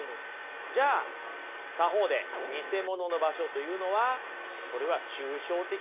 じゃあ他方でニセモノの場所というのはそれは抽象的な概念にすぎないんだと。